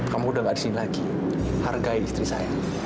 kamu udah gak di sini lagi hargai istri saya